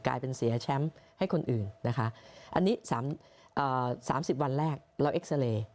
กลายเป็นเสียแชมป์ให้คนอื่นนะคะอันนี้๓๐วันแรกเราเอ็กซาเรย์